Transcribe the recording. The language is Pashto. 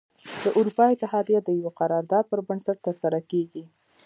د اروپا اتحادیه د یوه قرار داد پر بنسټ تره سره کیږي.